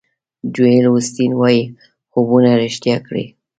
جویل اوسټین وایي خوبونه ریښتیا کړئ.